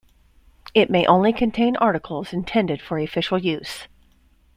It may only contain articles intended for official use.